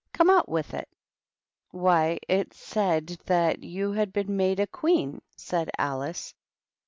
Come,— out with it !" "Why, it said — ^that you had been made a Queen," said Alice.